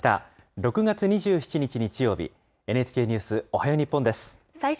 ６月２７日日曜日、ＮＨＫニュースおはよう日本です。